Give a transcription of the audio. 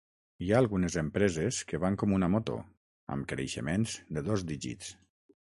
Hi ha algunes empreses que van com una moto, amb creixements de dos dígits.